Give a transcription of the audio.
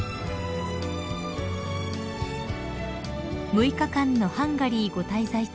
［６日間のハンガリーご滞在中